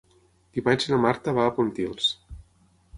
Dimarts na Marta va a Pontils.